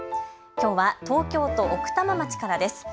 きょうは東京都奥多摩町からです。